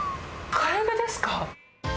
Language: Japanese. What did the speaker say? カエルですか？